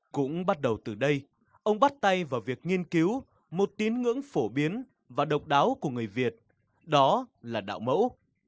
cũng bắt đầu từ đây ông bắt tay vào việc nghiên cứu một tín ngưỡng phổ biến và độc đáo của người việt đó là đạo mẫu